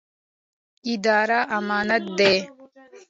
اداره امانت دی